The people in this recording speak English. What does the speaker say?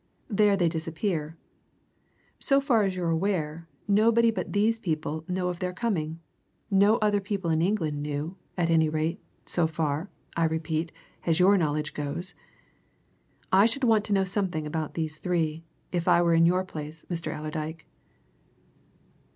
There they disappear. So far as you're aware, nobody but these people knew of their coming no other people in England knew, at any rate, so far, I repeat, as your knowledge goes. I should want to know something about these three, if I were in your place, Mr. Allerdyke."